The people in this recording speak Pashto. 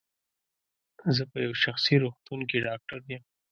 زه په یو شخصي روغتون کې ډاکټر یم.